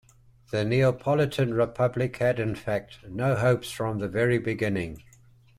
The Neapolitan Republic had, in fact, no hopes from the very beginning.